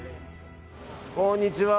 こんにちは。